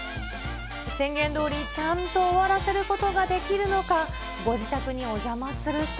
宣言どおり、ちゃんと終わらせることができるのか、ご自宅にお邪魔すると。